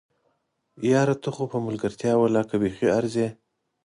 یاره! ته خو په ملګرتيا ولله که بیخي ارځې!